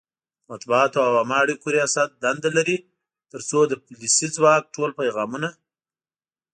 د مطبوعاتو او عامه اړیکو ریاست دنده لري ترڅو د پولیسي ځواک ټول پیغامونه